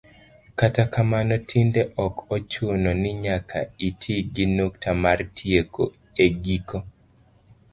kata kamano tinde ok ochuno ni nyaka iti gi nukta mar tieko e giko